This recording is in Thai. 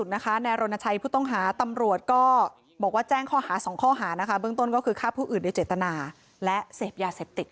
มันจะอยู่หลายนั้นแต่แม่พ่อไม่ยุ่งกับลูกชายเลย